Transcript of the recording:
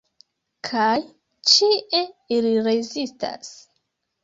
Kaj ĉie ili rezistas.